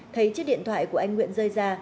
thấy chiếc điện thoại của anh nguyện rơi ra